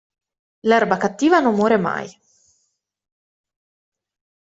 L'erba cattiva non muore mai.